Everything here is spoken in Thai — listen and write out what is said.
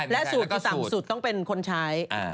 แล้วสูตรที่ต่ำสูตรต้องเป็นคนชาย